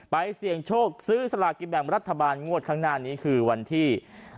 เสี่ยงโชคซื้อสลากินแบ่งรัฐบาลงวดข้างหน้านี้คือวันที่